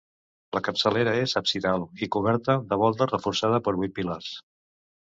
La capçalera és absidal i coberta de volta reforçada per vuit pilars.